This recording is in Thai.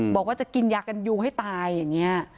บอกว่าจะกินยากันยูให้ตายอย่างนี้